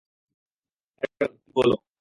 Harold, please বলো।